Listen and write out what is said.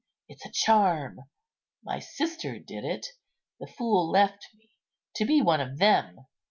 it's a charm. My sister did it; the fool left me to be one of them.